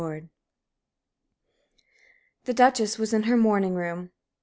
X The Duchess was in her morning room.